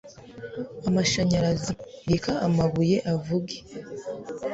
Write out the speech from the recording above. amashanyarazi reka amabuye avuge